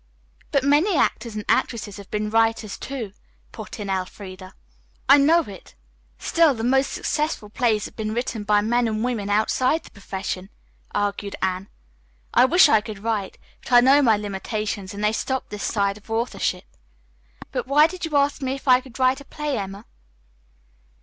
"But many actors and actresses have been writers, too," put in Elfreda. "I know it. Still, the most successful plays have been written by men and women outside the profession," argued Anne. "I wish I could write, but I know my limitations and they stop this side of authorship. But why did you ask me if I could write a play, Emma?"